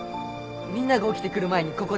みんなが起きてくる前にここで。